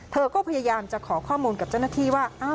เธอก็พยายามจะขอข้อมูลกับเจ้าหน้าที่ว่า